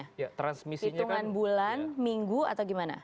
hitungan bulan minggu atau gimana